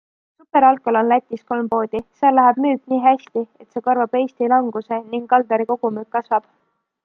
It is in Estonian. SuperAlkol on Lätis kolm poodi, seal läheb müük nii hästi, et see korvab Eesti languse ning Aldari kogumüük kasvab.